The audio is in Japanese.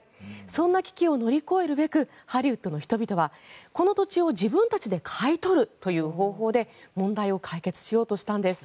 そんな危機を乗り越えるべくハリウッドの人々はこの土地を自分たちで買い取るという方法で問題を解決しようとしたんです。